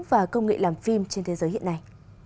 và công nghệ làm phim trên thế giới hiện nay